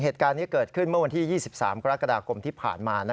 เหตุการณ์นี้เกิดขึ้นเมื่อวันที่๒๓กรกฎาคมที่ผ่านมา